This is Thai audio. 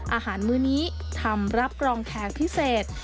อาหารมื้อนี้ทำรับรองแท้พิเศษ